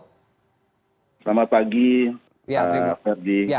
selamat pagi pak ferdi